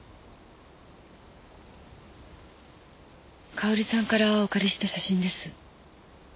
かおりさんからお借りした写真です。